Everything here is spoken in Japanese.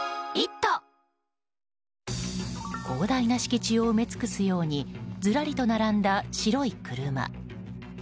広大な敷地を埋め尽くすようにずらりと並んだ白い車。